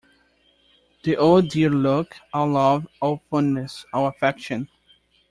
The old dear look, all love, all fondness, all affection.